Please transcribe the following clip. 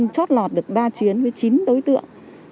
chót lọt được ba chuyến với chín đối tượng